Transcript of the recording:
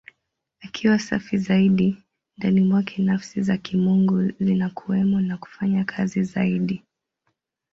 Akiwa safi zaidi, ndani mwake Nafsi za Kimungu zinakuwemo na kufanya kazi zaidi.